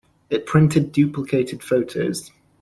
It printed duplicated photos.